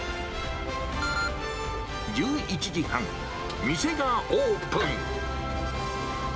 １１時半、店がオープン。